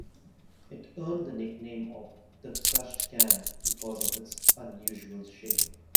It earned the nickname of "The Crushed Can" because of its unusual shape.